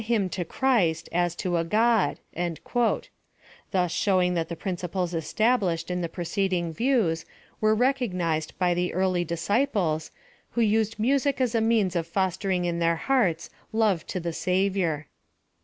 233 hymn to Christ, as to a God ;" thus showing ihnt the principles established in the preceding views were recognized by the early disciples, who used music as a means of fostering in their hearts 'ove to the Savior.